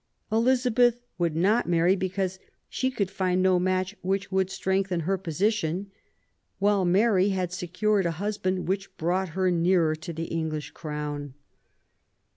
Elizabeth would not marry because she could find no match which would strengthen her position, while Mary had secured a husband which brought her nearer to the English Crown.